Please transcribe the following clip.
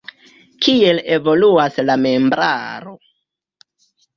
Kiel evoluas la membraro?